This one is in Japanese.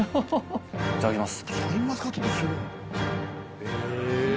いただきます。